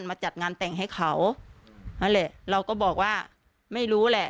มาจัดงานแต่งให้เขานั่นแหละเราก็บอกว่าไม่รู้แหละ